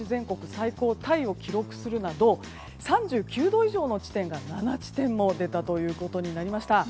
最高タイを記録するなど３９度以上の地点が７地点も出たということになりました。